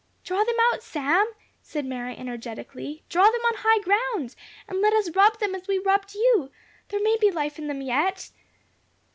"Draw them out, Sam," said Mary, energetically; "draw them on high ground, and let us rub them as we rubbed you. There may be life in them yet."